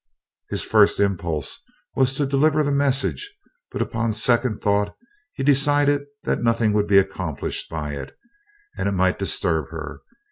His first impulse was to deliver the message, but upon second thought he decided that nothing would be accomplished by it, and it might disturb her.